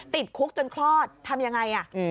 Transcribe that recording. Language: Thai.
ติดคุกจนคลอดทำยังไง